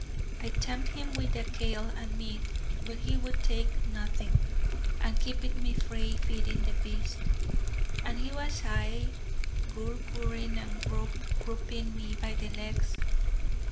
I tempit him wi' the kail and meat, but he wad tak naething, and keepit me frae feedin' the beast, and he was aye gur gurrin', and grup gruppin' me by the legs.